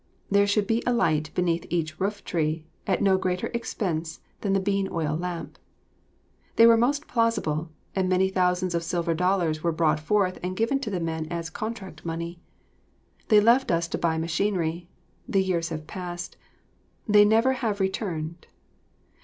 There should be a light beneath each rooftree, at no greater expense than the bean oil lamp. They were most plausible, and many thousands of silver dollars were brought forth and given to the men as contract money. They left us to buy machinery; the years have passed; they never have returned.